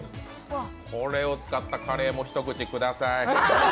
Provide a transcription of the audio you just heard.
これを使ったカレーもひと口ください。